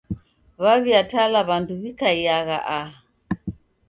W'aw'iatala w'andu w'ikaiagha aha.